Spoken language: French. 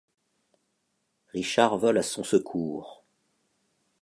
Richard vole à son secours.